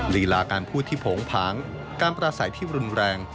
ลีลาการพูดที่โผงผางการประสัยที่รุนแรง